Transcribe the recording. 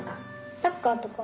サッカーとか？